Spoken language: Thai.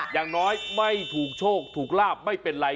อย่างน้อยไม่ถูกโชคถูกลาบไม่เป็นไร